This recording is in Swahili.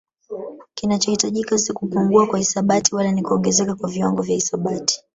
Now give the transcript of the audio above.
Kinachohitajika si kupungua kwa hisabati wala ni kuongezeka kwa viwango vya hisabati